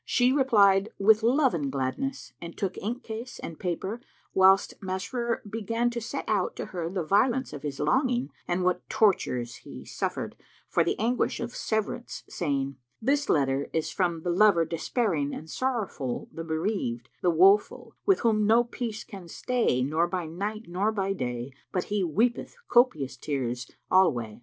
She replied, "With love and gladness," and took inkcase and paper, whilst Masrur began to set out to her the violence of his longing and what tortures he suffered for the anguish of severance, saying, "This letter is from the lover despairing and sorrowful * the bereaved, the woeful * with whom no peace can stay * nor by night nor by day * but he weepeth copious tears alway.